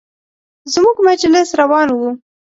زموږ مجلس روان و.